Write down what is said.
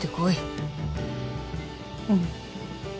うん。